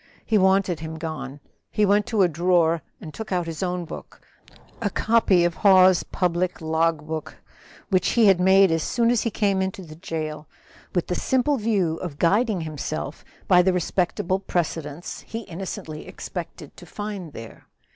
He wanted him gone. He went to a drawer and took out his own book, a copy of Hawes's public log book, which he had made as soon as he came into the jail, with the simple view of guiding himself by the respectable precedents he innocently expected to find there.